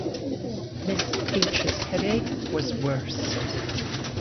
Miss H.'s headache was worse.